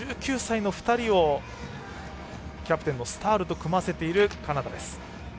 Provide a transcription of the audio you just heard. １９歳の２人をキャプテンのスタールと組ませているカナダです。